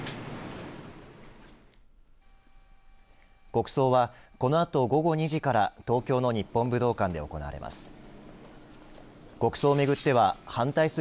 国葬は、このあと午後２時から東京の日本武道館で行われます。